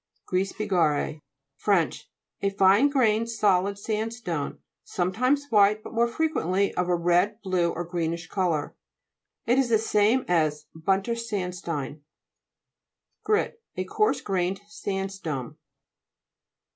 GRE'S BIGARRE' Fr. A fine grained solid sandstone, sometimes white, but more frequently of a red, blue, or greenish colour. It is the same as bunter sandstein. GRIT A coarse grained sandstone.